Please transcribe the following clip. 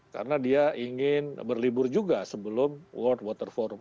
karena dia ingin berlibur juga sebelum world water forum